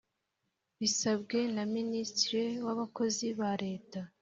Bisabwe na Minisitiri w Abakozi ba Leta